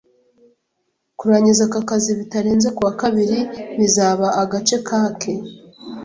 Kurangiza aka kazi bitarenze kuwa kabiri bizaba agace kake